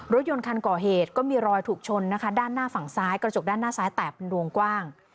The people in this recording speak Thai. รถยนต์คันก่อเหตุก็มีรอยถูกชนนะคะด้านหน้าฝั่งซ้ายกระจกด้านหน้าซ้ายแตกเป็นวงกว้าง